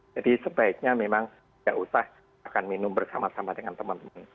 jadi sebaiknya memang tidak usah makan minum bersama sama dengan teman teman